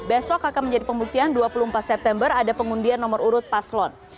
besok akan menjadi pembuktian dua puluh empat september ada pengundian nomor urut paslon